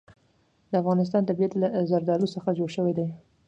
د افغانستان طبیعت له زردالو څخه جوړ شوی دی.